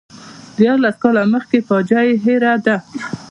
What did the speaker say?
دیارلس کاله مخکې فاجعه یې هېره ده.